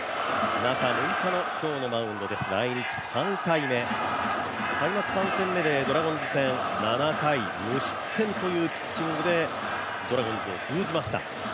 中６日の今日のマウンドですがあいにく３回目、開幕３戦目でドラゴンズ戦７回無失点というピッチングでドラゴンズを封じました。